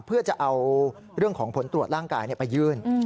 เพื่อจะเอาเรื่องของผลตรวจร่างกายไปยื่น